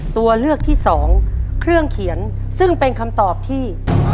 ตัวเลือกที่สองเครื่องเขียนซึ่งเป็นคำตอบที่